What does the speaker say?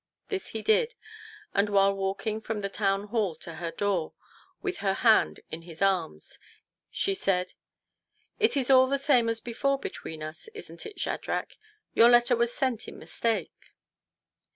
This he did, and while walking from the Town Hall to her door, with her hand in his arm, she said " It is all the same as before between us, isn't it, Shadrach ? Your letter was sent in mistake